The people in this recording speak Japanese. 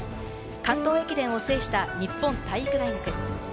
関東駅伝を制した日本体育大学。